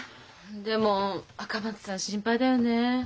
でも赤松さん心配だよねえ。